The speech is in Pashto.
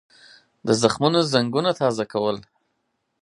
د زخمونو زنګونه تازه کول.